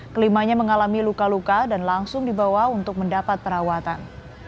kelimanya mengalami luka luka dan langsung dibawa untuk mendapat perawatan